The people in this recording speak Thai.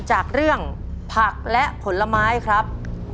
จากเรื่องผักและผลไม้ครับ